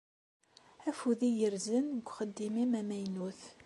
Afud igerrzen deg uxeddim-im amaynut.